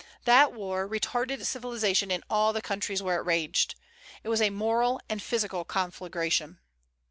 That war retarded civilization in all the countries where it raged. It was a moral and physical conflagration.